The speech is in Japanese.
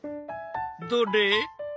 どれ？